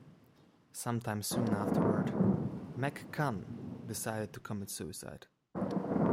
Sometime soon afterward, McCunn decided to commit suicide.